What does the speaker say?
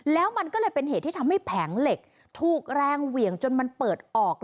แล้วมันก็เลยเป็นเหตุที่ทำให้แผงเหล็กถูกแรงเหวี่ยงจนมันเปิดออก